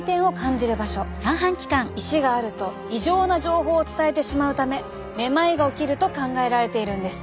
石があると異常な情報を伝えてしまうためめまいが起きると考えられているんです。